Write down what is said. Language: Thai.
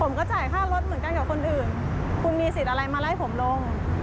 ผมก็จ่ายค่ารถเหมือนกันกับคนอื่นคุณมีสิทธิ์อะไรมาไล่ผมลง